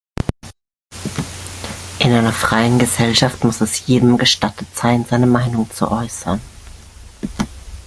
In einer freien Gesellschaft muss es jedem gestattet sein, seine Meinung zu äußern.